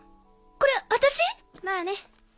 これ私⁉まぁね。